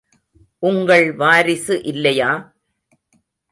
உங்கள் வாரிசு இல்லையா?